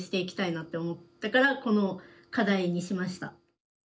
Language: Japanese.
なって思ったからこの課題にしました。